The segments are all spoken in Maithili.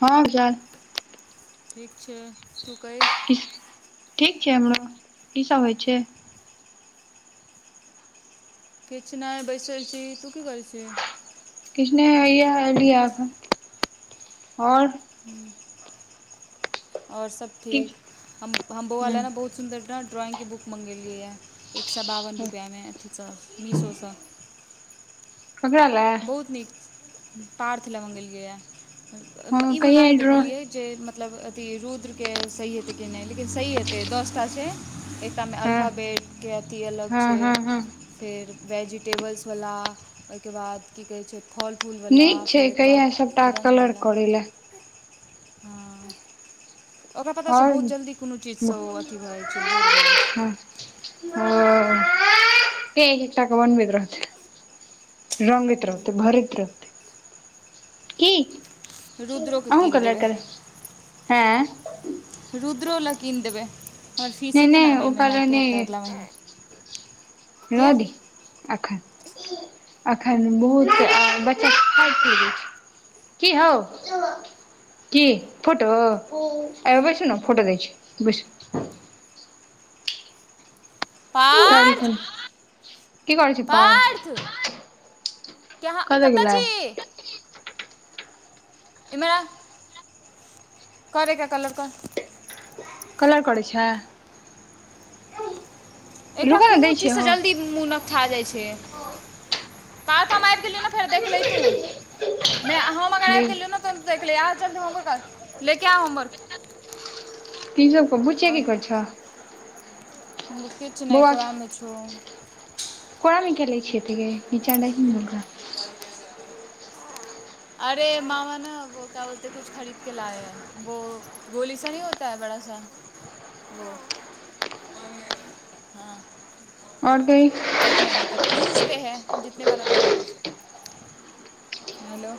हँ विशाल [unintelligible] ठीक छै तु कहि पीस ठीक छै हमरो पीसा होइ छै किछ नहि बैसल छी तू की करै छि ही किछने हैया एलीया एखन ओर हूँ ओर सब की ठीक हम हम बोआ हूँ ले ने बहुत सुन्दर ड्रॉइंग के बुक मङगेलिय एक स बावन रुपैआमे अथीसँ मीसो स ककरा लै हुत नीक पार्थ ले मंगेलिया हँ इ मगा कहिया क ड्रो देखलिया जे मतलब अथी रुद्रके सही हेतै केनै लेकिन सही हेतै दस टा छै ए त आमे हँ अल्फाबेटके अथी अलग हँ छै हँ हँ फेर वेजिटेबल्सवला ओइके बाद की कहै छै फल फूल बला नीक छै फेर ओहिके कहिया सबटा बाद कलर रंगवला करै लए हं ओकरा पता छ और बहुत जल्दी कोनो चीजसँ ओ अथी भए जाइ छै बोर भऽ जाइ छै हँ ओ के हीचा क बनबैत रह छ रंगैत रहते भरैत रहत की रुद्रोके अहूँ कीन देबै कलरकर हैं रुद्रो लै कीन देबै हमर फीस नै एतइ नै ना एबे ओ कलर महिनाके नै त अगला महिना अखन अखन बहुत आ बच्चा हर चीज छै की हऊ की फोटो एम्ह बैसू न फोटो दै छी बैसू [unintelligible] पार्थ कालिखन की करै छी पारथ के यहाँ कतय गेलै छी इमहर आ कर ऐके कलर कर कलर करै छै एकरा रुकऽ ने दै कोनो छियै चीजसँ हौ जल्दी मुँहनकठा जाइत छै पात हम आबि गेलियै ने फेर देख ल तूँ मै हम मगर दे अबि गेलै ने त देख लि आज जलदी होमवर्क कर लेकेआ होमवर्क तीन सबके बुचके छ ह किचछ नहि कोरामे छो कोरामेकेलै छि यैतेगे अ प क [inaudible] [unintelligible] अरे मामा ने वो क्य बोलतेै कुछ खरीद के लाए है वो गोली सा नी हो त बड़ा सा [inaudible] हँ आओर कही [inaudible] एक महीने तक क्यूज पे है जितने बार आप जाउ हेलो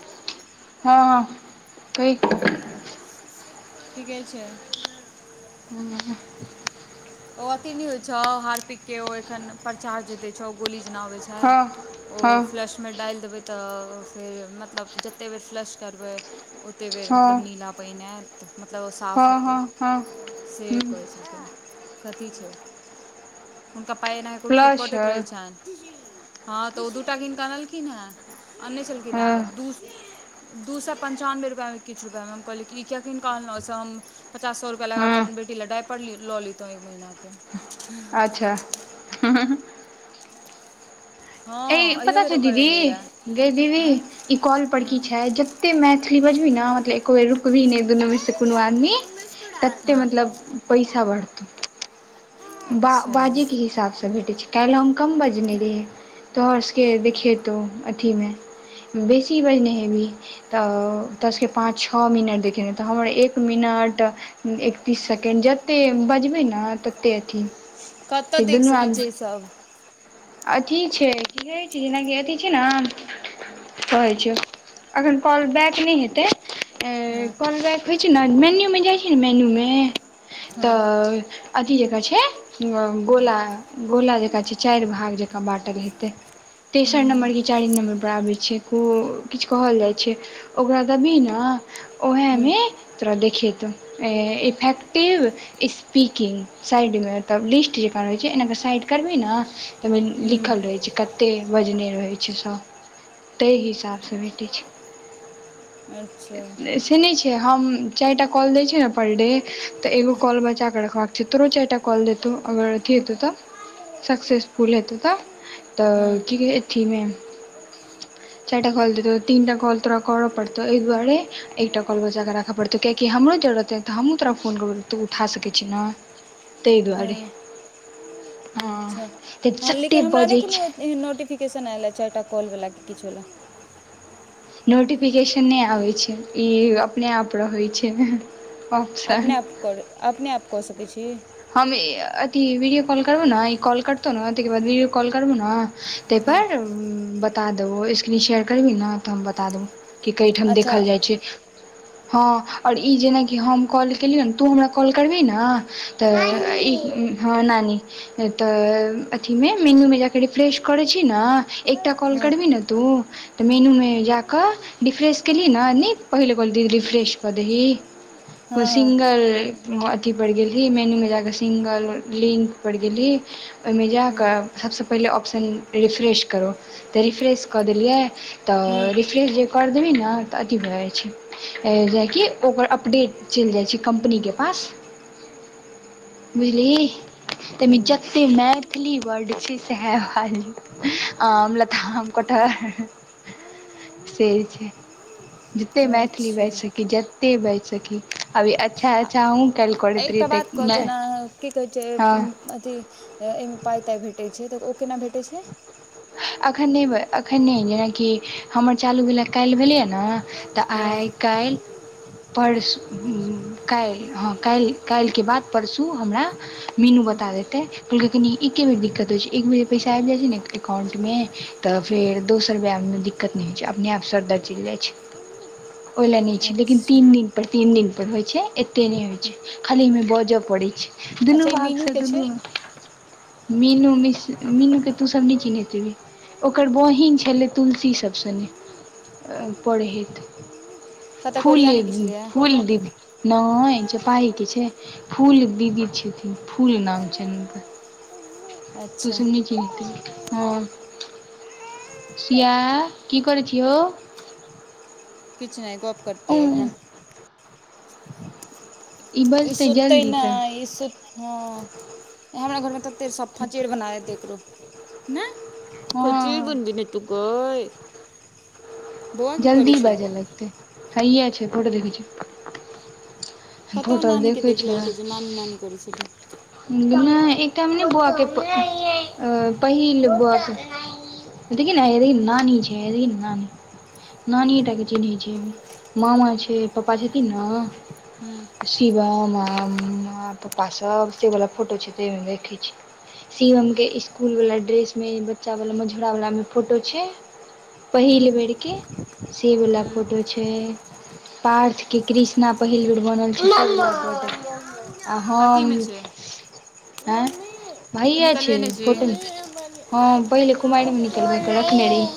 हँ हँ [unintelligible] ह कि कहे छै ह [inaudible] ओ अथी होय छाव हार पिक के ओ एखन प्रचार जेदै छौ गोली जेना अबछै हँ ओ हँ फ्लश मे डालि देबै तऽ फेर मतलब जतै बेर फ्लश करबै ओते बेर हँ मतलब नीला पानि आयत मतलब ओ साफ हँ हेतै हँ हँ से हूँ कहै [inaudible] कथी छै हुनका पाइ एनाहे कुट कुट प्लस कटैत रहै छनि हँ तऽ ओ दू टा किनक अनलखिन हेँ अनने छलखिन हे दू ह [unintelligible] दू सै पंन्चानबे रुपैयामे किछु रुपैयामे हम कहलियै कि इ कियाकिनके आनलौ हम पचास सै रुपैआ लगा हँ कहबनि बेटी ल डायफर ललेतौ एक महिना के अच्छा [unintelligible] अ हँ अहियो पता बेर छै ओकर दीदी एलैए गे दीदी आँय ई कॉल परकी हँ छै [unintelligible] जते मैथिली बजबही ने मतलब एको बेर रुकबही ने दुनूमे से कोनो आदमी तते हँ मतलब पैसा बढ़तौ अच्छा बाजेके हिसाबसँ भेटै छै काल्हि हम कम बजने रहियै तोहर सभके देखेतौ आथिमे बेसी बजने हेबी तऽ ओतसँके पाँच छओ मिनट देखे तऽ हमर एक मिनट एकतीस सेकेण्ड जते बजबै ने त टे अथि कतय देख दुनु सकैत छै आदमी ईसभ अथि छै रहै छै जेनाकि अथी छी ने कहै छियौ एखन कॉल बैक नहि हेतै हँ कॉल बैक होइ छै ने मेन्यू मे जाइ छै ने मेन्यू मे हँ तऽ अथी जे का छै गोला गोला जेकाँ छै चार भाग जकाँ बाँटल हेतै तेसर नंबर हूँ इ छै चार नम्बर पर आबै छै किछ कहल जाइ छै ओकरा देबही न उ है हूँ मे तोरा देखतौ एइफेक्टिव स्पीकिंग साइडमे तब लिस्ट जेका रहै छै एनाकेऽ साइड करबही ने तऽ हूँ लिखल रहै छै कते बजने रहै छै सभ ताहि हिसाबसँ भेटै छै अच्छा सुनेय छिय हम चारटा कॉल दै छिय ने पर डे तऽ एगो कॉल बचाकऽ रखबाक तोर चार टा कॉल देतौ अगर अथी हेतौ तऽ सक्सेसफुल हेतै तऽ तऽ हँ की गेआथिमे चारटा कॉल दतौ तीनटा कॉल तोरा करै पड़तौ ऐदुआरे एकटा कॉल बचाक कऽ राखय पड़तै कियाकि हमरो जरूरतइ है तऽ हमहूँ तोरा फोन करब त तू उठा सकै छी ने तइ दुआरे हँ हँ अच्छा तऽ हँ जते लेकिन हमरा नहि बजै कोनो छै एहन नोटिफिकेशन आयल अछि चारटा कॉलवला कि किछले नोटिफिकेशन नहि आबै छै ई अपने आप रहै छै ऑप्शन अपने आप क अपने आप कऽ सकै छहि हम इअथी वीडियो कॉल करबै ने ई कॉल करतौ ने ताकर बाद वीडियो कॉल करबै ने हँ तयपर बता देबै स्क्रीन शेयर करबिही ने तऽ हम बता देबै कि कइठाम अच्छा देखल जाइ छै हँ और ई जेनाकि हम कॉल केलियै ने तू हमरा कॉल करभीने तऽ ई हँ नानी तऽ अथीमे मेनूमे जाके रिफ्रेश करै छी ने एक एकटा कॉल हँ करबही ने तू तऽ मेनूमे जाकै रिफ्रेस केलही न नहि पहिले कह बोलदेलही रिफ्रेस करै ही [unintelligible] को हँ हँ सिंगल अथी पड़ गेल‌ए मेनू में जाके सिंगल लिंक पर गेली [unintelligible] ओहिमे जा हँ कऽ सभसँ पहिले ऑप्शन रिफ्रेश करू तऽ रिफ्रेश कऽ देलियै तऽ हूँ रिफ्रेश जे कर देबी ने तऽ अथी भए जाइ छै जेकि ओकर अपडेट चल जाइ छै कम्पनीके पास बुझली ताहिमे हूँ जतेक मैथिली वर्ड छै सएह बाजू आम लताम कटहर से छै जते मैथिली बाज अच्छा सकी जते बाज सकी अभी अच्छा आ अच्छा अहु कालिह एकटा बात कह जेना की कहै छै हँ अथी एहिमे पाय ताय भेटै छै तऽ ओ केना भेटै छै एखन नहि एखन नहि जेनाकि हमर चालू भेल काल्हि भेलैए ने तऽ हँ आइ काल्हि परस काल्हि हँ काल्हि काल्हिके बाद परसू हमरा मीनू बता देतेै कहलै कि एके बेरी दिककत होइ छै एक बेर पैसा आबि जाइत छै ने एककाउंटमे तऽ फेर दोसर रुपैआमे दिक्कत नहि होइ छै अपने आप सर दर्द चलि जाइत छै ह [inaudible] ओहि ला नै छी लेकिन तीन दिन पर तीन दिन पर होई छै एतेक नहि होई छै खाली ओमे बजऽ पड़ै छ दुनू अच्छा ई भागस मीनूके छै दुनू मीनू मि मीनू के तू सब नहि चिन्हैत हैबी ओकर बहिन छलै तुलसी सब संगे पड़ै हेत कतऽ कोरिया फूले नहि किछ लियए फूल दिप नै जपाइके छै फूल दीदी छथिन फूल नाम छनि हुनकर अच्छा तुसब नय चिन्हैत हैबी हँ शिया की करै छियौ किछ नइ गप करतै एखन [inaudible] ई बजतै सुततै जल्दी नै तऽ ईसुत हँ हमरा घरमे तऽ ते सफचेर बना लेत एकरो नय हँ [unintelligible] जल्दी बाज लगते हइए छै फोट देखै छी कतहु फोटो नानीके देखै देख छै लेलकै जे नानी नानी करै छलै नहि एकटामे नै बउआके पहिल बॉस देखी न हया देखी नानी छै मामी नानि तक के चिन्हैत छै मामा छै पप्पा छथिन ने हूँ शिवम माँ पप्पा सब स वला फोटो छै तमे देखै छै शिवम के ईस्कूल वला ड्रेसमे बच्चावला मझुरावलामे फोटो छै पहिल हूँ बेरके सेवला हूँ फोटो छै पार्थके कृष्णा पहिल बेर बनल छै आ हम कथीमे छै हँ भयै निकल छै वे जी फोटो हँ पहिल कुमायर मे निकलबै लेके रखने रही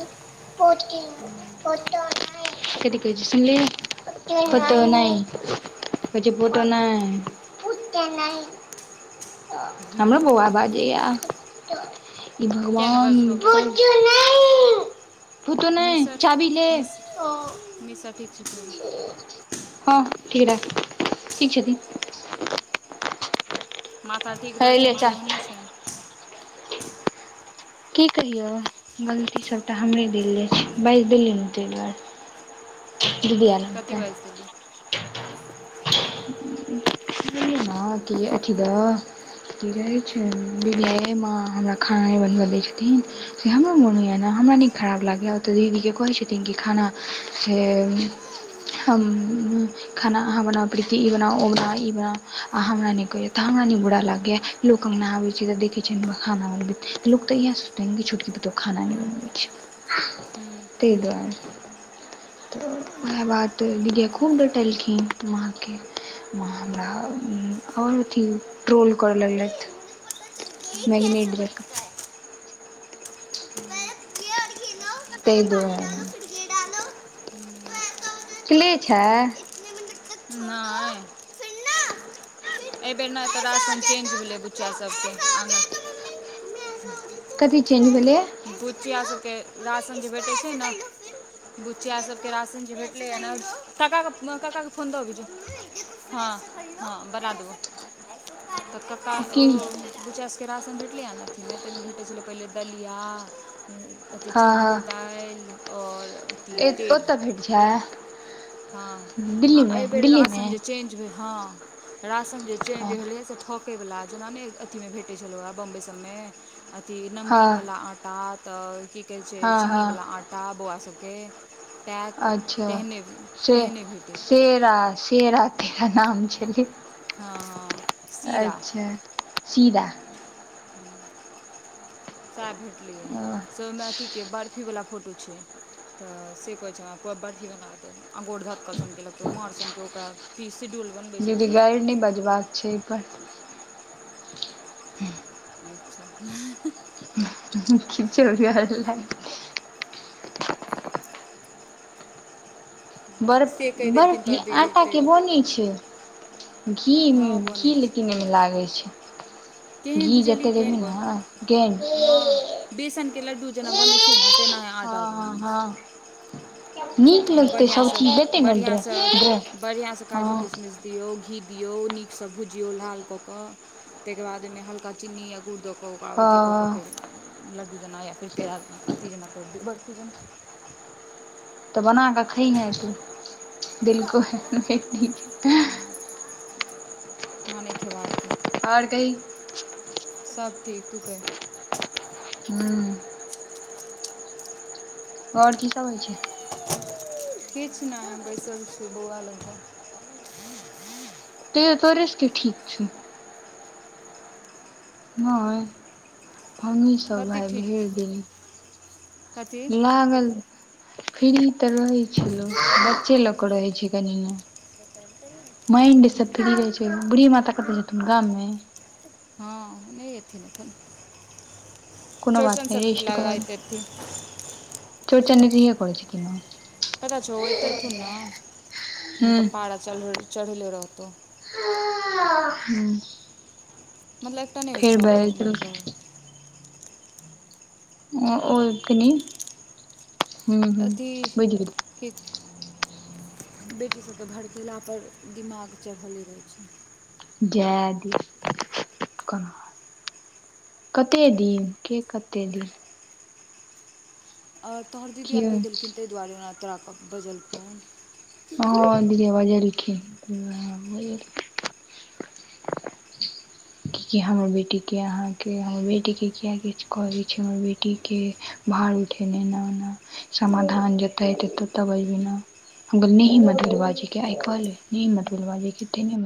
कथि कह छै सुनलीएय फोतो नय फोटो नय पत नहि हमरो बउआ बाजैया ई क्या ने भगवान बस तो के फूतो नै चाबी लेब मिशर ठीक छैथ हँ ठीक रह ठीक छथिन माथा ठीक हे रहै ले छनि कि चाभी ओहने छनि [unintelligible] की कहियौ गलती सबटा हमरे देल जाइ छै बाजि देलियै ने तहि दुआरे दिदी आल कथी तऽ बाजि देली क अखी द की रहै छै बुझलियै माँ हमरा खाना नै बनब दै छथिन से हमरो मोन होइए ने हमरा नीक खराब लागैए ओतय दीदीके कहै छथिन कि खाना से हम खाना आहाँ बना प्रीति ई बना ओ बना ई बना आहाँ हमरा कहु तऽ हमरा न बुरा लागैया लोको अंगनाबे छै तऽ देख छै खाना बनैबत त इहेे सोचतै छोटकी पुतौह खाना नहि बनबै छै हम्म तहि दुआरे तऽ उएह बात दीदिया खूब डटलखिन माँ के व हमरा ओर अथि ट्रोल करय मम्मी मुझे पता चल गया ये लगलथि कैसे मगनेडीयक बनता है पहले ये और घी लो पहले त‌ई दुवा पानी डालो फिर ये डालो तो ऐसा हो क्ले छै नय एहिबेर ने तऽ रसन चेंज भेलै बुच्चा सबके आ कथि चेंज भेलै बुचिया सबके राशन जे भेटै छै न बुचिया सबके राशन जे भेटलैए ने काक काक फोन दऽ अभी जो हँ हँ बना देबौ तऽ काका ओ की बच्चा सबके राशन भेटलै हे ने अथीमे ताहिमे भेटै छलै पहिले दलिया अथी हँ चनाके दाइल और अथी हँ तेल [inaudible] हँ आ दिल्लीमे आइबेर दिल्लीमे राशन जे चेंज होय हँ राशन जे चेंज हँ भेलैए से ठोकयवला जेना नहि अथिमे भेटै छलहुँए बम्बइ सबमे अथी हँ नमकीनवला आँटा तऽ क कहै छै हँ हँ चीनीवला आँटा बौआ सबके पैक तेहने शे तेहने भेटै शेरा शेरा तेरा नाम छलै हँ हँ सीरा अच्छा चीरा का भेट दीदी समथीके बारफी वला फोटो छै तऽ से कहै छै पोब बर ठीक न देै अ गोर धात कऽसने लकत मर सननके ओकरा पीससँ शिडूल बनबै छथिन नै बजबाक छै पर अच्छा [unintelligible] बर्फ से कहि देलखिन बर्फी तोहर दीदी हआटा कहि के देल बनी छै घी हँ घी बनैत छै लेकिन यमे लागै छै केहन घी बुझलियै जतबे केहन बन देबीहने गेल हँ बेसनके लड्डू जेना बनै छै न तेना हँ आटाके हँ बनै छै हँ नीक ओहिमे लगतै बढ़िआसँ सभचीज देतै ने ड्रे ड्रे बढ़िआँसँ बढ़िआँसँ हँ काजू किशमिश दियौ घी दियौ नीकसँ भुजियौ लाल कऽ कऽ तहि के बाद में हलका चीनी या गुड़दक कऽ ओकरा अथी कऽ कऽ हँ फेर लड्डू जेना या फेर पेड़ा जेना अथी जेना करि दियौ बर्फी जेना तऽ बना कऽ खइहे तू दिलको हं हँ नहि खेबाक आर कही सब ठीक तू कहि हू ओर की सभ होइ छै किछ नै हम बैसल छी बौआ लग कऽ ते तोरेसँ के ठीक छै नहि हमही सब कथी भाय ठीक भेर देली कथी लागल फ्री तऽ रहैत छै लोक बच्चे लऽ कऽ रहैत छै कनि ने मांइड सब फ्री रहे छै बुढ़ी माता कतेछैन गाममें हँ नै एथिन ए अपन कोनो बात नै रेस्ट कर लगाइत अएथिन चोरचन न इए कर छै कना पता छौ एत थुन ने हुनकर पारा चढ़ले रहतौ ह मतलब एकटा नै हो छौ देलकै ओके नहि अथी ठीक बेटी सबके भड़केला पर दिमाग चढ़ले रहै छै जय दी क कते दिन के कते दिन ओर तोहर दीदआ कियो कहि देलखिन ताहि दुआरे ओना तोरा बजलकौ हँ दीदी बजेलखिन [inaudible] की कि हमर बेटी के अहाँ के हमर बेटी के किया किछ करै छै हमर बेटी के भांग खेने न न समाधान जत हेतै तत बजबैन अगल नी मटल बाजे के आइ कल [unintelligible] मदल बाजे के